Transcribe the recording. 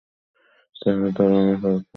তাহার দারোয়ানেরা পালকির সামনে পিছনে দাড়াইল।